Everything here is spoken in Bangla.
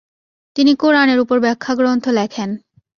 তিনি কুরআনের উপর ব্যাখ্যাগ্রন্থ লেখেন।